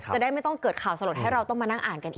จะได้ไม่ต้องเกิดข่าวสลดให้เราต้องมานั่งอ่านกันอีก